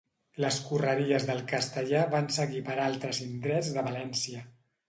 Les correries del castellà van seguir per altres indrets de València.